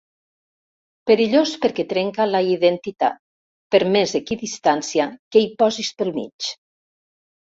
Perillós perquè trenca la identitat, per més equidistància que hi posis pel mig.